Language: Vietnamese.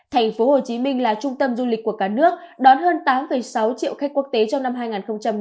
thành phố hồ chí minh là trung tâm du lịch của cả nước đón hơn tám sáu triệu khách quốc tế trong năm hai nghìn một mươi chín